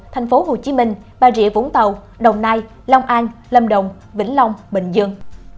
tp hcm bà rịa vũng tàu đồng nai long an lâm đồng vĩnh long bình dương